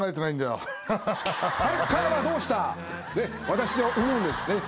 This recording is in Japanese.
私は思うんです。